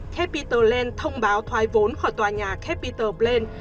capitol plain thông báo thoái vốn khỏi tòa nhà capitol plain